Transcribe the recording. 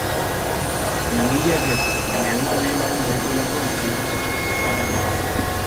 Langileak ez, baina ehunka bidelagun badituelako Argiak.